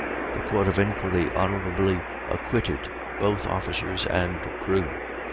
The court of inquiry honorably acquitted both officers and crew.